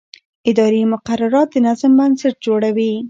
اداري مقررات د نظم بنسټ جوړوي.